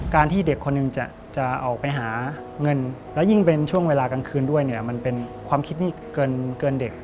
ที่เด็กคนหนึ่งจะออกไปหาเงินแล้วยิ่งเป็นช่วงเวลากลางคืนด้วยเนี่ยมันเป็นความคิดที่เกินเด็ก